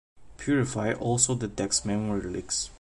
Purify also detects memory leaks.